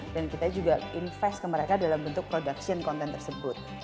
dan kita juga invest ke mereka dalam bentuk production konten tersebut